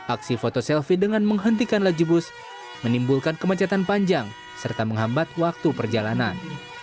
aksi foto selfie dengan menghentikan laju bus menimbulkan kemacetan panjang serta menghambat waktu perjalanan